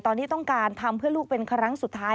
ตอนนี้ต้องการทำเพื่อลูกเป็นครั้งสุดท้าย